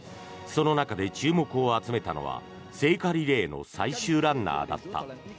その中で注目を集めたのは聖火リレーの最終ランナーだった。